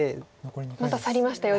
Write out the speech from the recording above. また去りましたよ